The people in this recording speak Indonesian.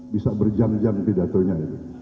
bisa berjam jam pidatonya itu